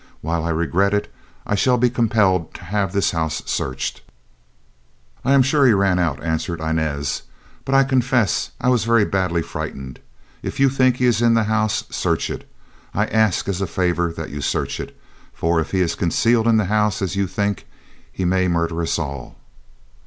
While I regret it, I shall be compelled to have this house searched." "I am sure he ran out," answered Inez, "but I confess I was very badly frightened. If you think he is in the house, search it. I ask as a favor that you search it, for if he is concealed in the house as you think, he may murder us all."